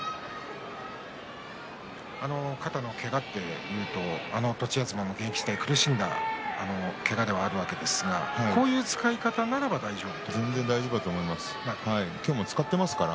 肩のけがというと栃東の現役時代苦しんだけがですけどこういう使い方なら大丈夫ですね。